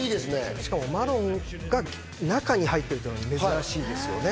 しかもマロンが中に入っているのが珍しいですね。